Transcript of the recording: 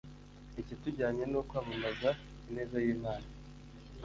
Ikitujyanye ni ukwamamaza ineza y’Imana